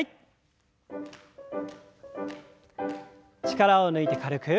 力を抜いて軽く。